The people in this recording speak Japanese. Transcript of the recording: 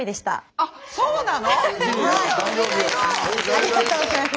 ありがとうございます。